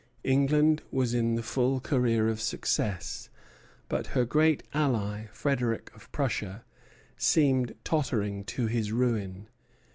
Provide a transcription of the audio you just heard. England was in the full career of success; but her great ally, Frederic of Prussia, seemed tottering to his ruin.